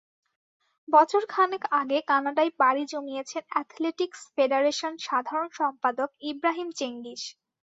বছর খানেক আগে কানাডায় পাড়ি জমিয়েছেন অ্যাথলেটিকস ফেডারেশন সাধারণ সম্পাদক ইব্রাহিম চেঙ্গিস।